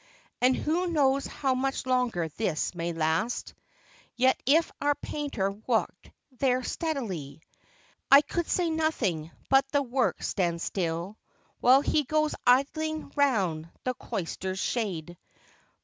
And who knows how much longer this may last, Yet if our painter worked there steadily, I could say nothing; but the work stands still. While he goes idling round the cloisters' shade.